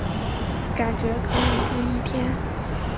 感觉可以住一天